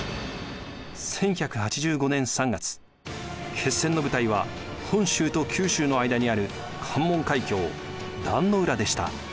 １１８５年３月決戦の舞台は本州と九州の間にある関門海峡壇の浦でした。